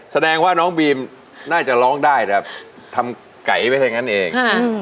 แสดงว่าน้องบีมน่าจะร้องได้แต่ทำไก่ไปซะอย่างนั้นเอง